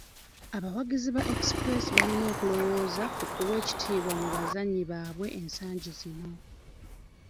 Abawagizi ba Express balina okulowooza ku kuwa ekitiibwa mu bazannyi baabwe ensangi zino.